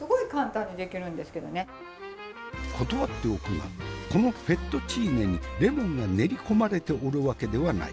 断っておくがこのフェットチーネにレモンが練り込まれておるわけではない。